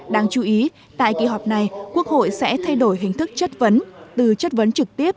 đáng chú ý tại kỳ họp này quốc hội sẽ thay đổi hình thức chất vấn từ chất vấn trực tiếp